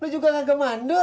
lo juga gak kemandul